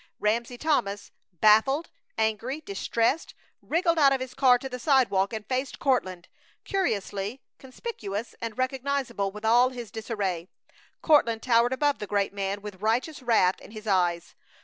Ramsey Thomas, baffled, angry, distressed, wriggled out of his car to the sidewalk and faced Courtland, curiously conspicuous and recognizable with all his disarray. Courtland towered above the great man with righteous wrath in his eyes.